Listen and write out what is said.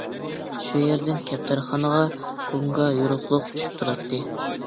شۇ يەردىن كەپتەرخانىغا گۇڭگا يورۇقلۇق چۈشۈپ تۇراتتى.